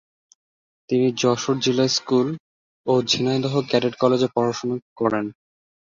তিনি যশোর জিলা স্কুল ও ঝিনাইদহ ক্যাডেট কলেজে পড়াশোনা করেন।